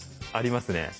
ありますね。